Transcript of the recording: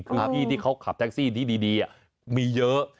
คือพี่ที่เขาขับแท็กซี่นี้ดีมีเยอะ